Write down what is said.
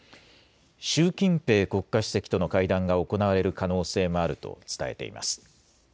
習近平国家主席との会談が行われる可能性もあると伝えています。